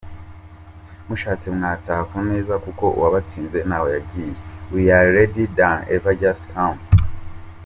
mushatse mwataha kuneza kuko uwabatsinze ntaho yagiye we are ready than ever just come